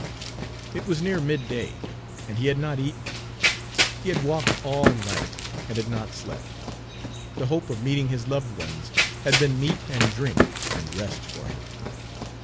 It was near midday, and he had not eaten. He had walked all night, and had not slept. The hope of meeting his loved ones had been meat and drink and rest for him.